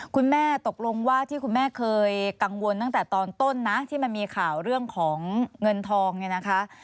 คุณแม่ตกลงว่าที่คุณแม่เคยกังวลตั้งแต่ตอนต้นนะที่มันมีข่าวเรื่องของเงินทองเนี่ยนะคะ